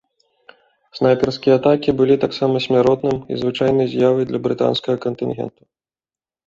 Снайперскія атакі былі таксама смяротным і звычайнай з'явай для брытанскага кантынгенту.